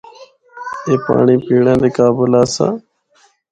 اے پانڑی پینڑا دے قابل آسا۔